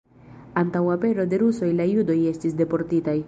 Antaŭ apero de rusoj la judoj estis deportitaj.